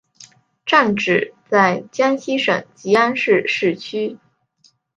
站址在江西省吉安市市区。